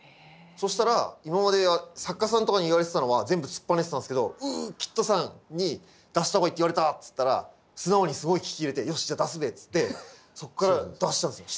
そしたら今まで作家さんとかに言われてたのは全部突っぱねてたんすけどうっキッドさんに出した方がいいって言われたっつったら素直にすごい聞き入れてよしじゃあ出すべっつってそっから出したんですよ。